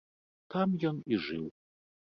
Там ён і жыў.